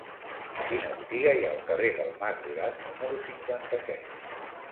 Quina botiga hi ha al carrer del Mas Duran número cinquanta-set?